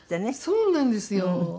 そうなんですよ。